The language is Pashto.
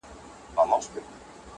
څنگه به هغه له ياده وباسم.